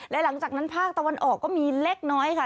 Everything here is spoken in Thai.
และหลังจากนั้นภาคตะวันออกก็มีเล็กน้อยค่ะ